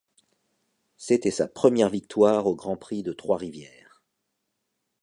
C'était sa première victoire au Grand-Prix de Trois-Rivières.